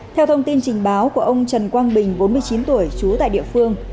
theo thông tin trình báo của ông trần quang bình bốn mươi chín tuổi trú tại địa phương